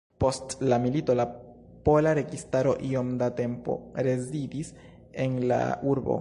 Post la milito la pola registaro iom da tempo rezidis en la urbo.